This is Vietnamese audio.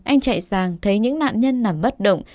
anh chạy sàng thấy những nạn nhân nằm bất động